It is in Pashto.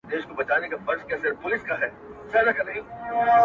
• سمندر افسانوی حیوان دی ویل کیږي په اور کي زېږي او هلته ژوند کوي -